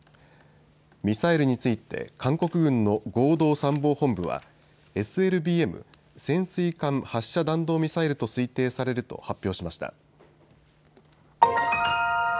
ミサイルについて韓国軍の合同参謀本部はＳＬＢＭ・潜水艦発射弾道ミサイルと推定されると発表しました。